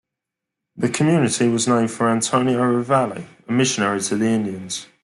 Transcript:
The community was named for Antonio Ravalli, a missionary to the Indians.